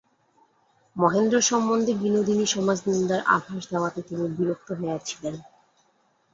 মহেন্দ্র সম্বন্ধে বিনোদিনী সমাজনিন্দার আভাস দেওয়াতে তিনি বিরক্ত হইয়াছিলেন।